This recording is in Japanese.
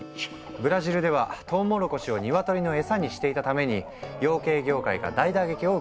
ブラジルではトウモロコシをニワトリの餌にしていたために養鶏業界が大打撃を受けたんだ。